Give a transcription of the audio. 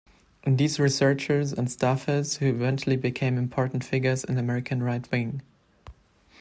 These researchers and staffers who eventually became important figures in American right-wing.